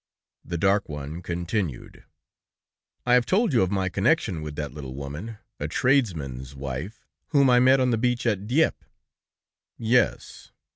The dark one continued. "I have told you of my connection with that little woman, a tradesman's wife, whom I met on the beach at Dieppe?" "Yes."